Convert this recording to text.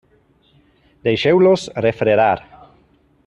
Deixeu-los refredar.